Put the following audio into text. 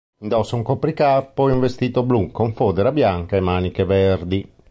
Indossa un copricapo e un vestito blu con fodera bianca e maniche verdi.